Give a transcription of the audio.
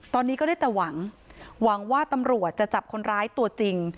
ตอนนี้ก็ได้แต่หวังหวังว่าตำรวจจะจับคนร้ายตัวจริง